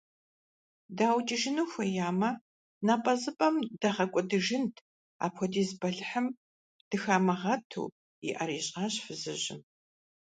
ДаукӀыжыну хуеямэ, напӀэзыпӀэм дагъэкӀуэдыжынт, апхуэдиз бэлыхьым дыхамыгъэту, – и Ӏэр ищӀащ фызыжьым.